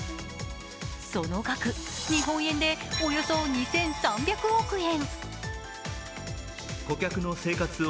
その額、日本円でおよそ２３００億円。